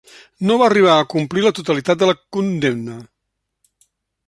No va arribar a complir la totalitat de la condemna.